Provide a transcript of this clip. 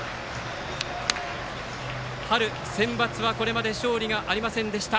春センバツは、これまで勝利がありませんでした。